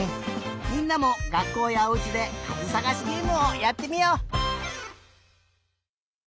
みんなもがっこうやおうちでかずさがしゲームをやってみよう！